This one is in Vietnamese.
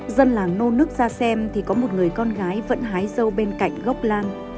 dân làng nôn nước ra xem thì có một người con gái vẫn hái dâu bên cạnh góc lang